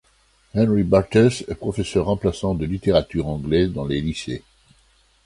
Henry Barthes est professeur remplaçant de littérature anglaise dans les lycées.